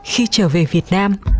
khi trở về việt nam